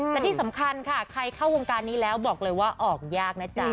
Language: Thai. แต่ที่สำคัญค่ะใครเข้าวงการนี้แล้วบอกเลยว่าออกยากนะจ๊ะ